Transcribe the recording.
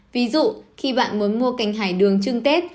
ví dụ khi bạn muốn mua cành hải đường trưng tết